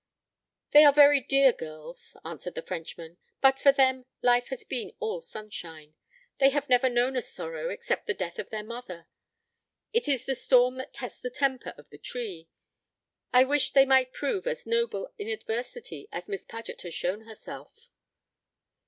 "They are very dear girls," answered the Frenchman; "but for them life has been all sunshine. They have never known a sorrow except the death of their mother. It is the storm that tests the temper of the tree. I wish they might prove as noble in adversity as Miss Paget has shown herself."